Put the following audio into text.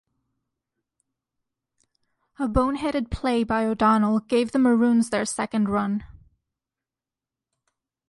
A bone-headed play by O'Donnell gave the Maroons their second run.